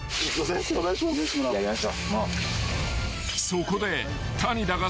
［そこで］